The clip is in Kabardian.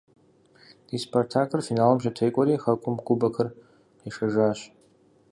Ди «Спартак»-ыр финалым щытекӏуэри хэкум кубокыр къишэжащ.